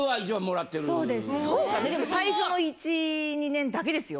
でも最初の１２年だけですよ。